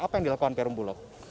apa yang dilakukan perumbulok